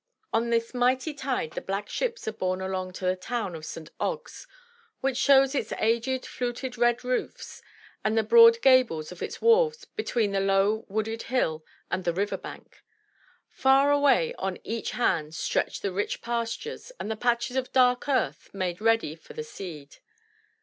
On this mighty tide the black ships are borne along to the town of St. Ogg's which shows its aged, fluted red roofs and the broad gables of its wharves between the low wood ed hill and the river brink. Far away on each hand stretch the rich pastures and the patches of dark earth made ready for the seed.